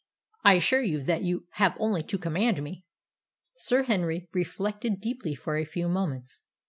I assure you that you have only to command me." Sir Henry reflected deeply for a few moments.